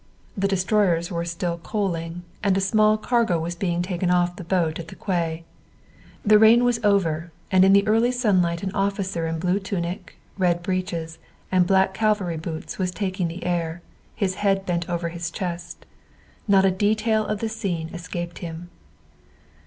The destroyers were still coaling, and a small cargo was being taken off the boat at the quay. The rain was over, and in the early sunlight an officer in blue tunic, red breeches and black cavalry boots was taking the air, his head bent over his chest. Not a detail of the scene escaped him.